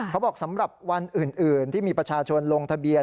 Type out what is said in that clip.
สำหรับวันอื่นที่มีประชาชนลงทะเบียน